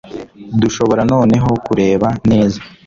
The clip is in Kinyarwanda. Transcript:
dushobora noneho kureba neza